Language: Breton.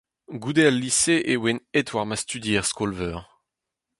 Goude al lise e oan aet war ma studi er skol-veur.